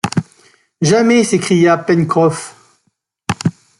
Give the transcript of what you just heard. Jamais s’écria Pencroff